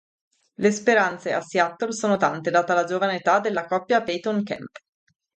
Le speranze a Seattle sono tante data la giovane età della coppia Payton-Kemp.